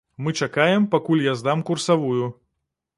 Мы чакаем, пакуль я здам курсавую.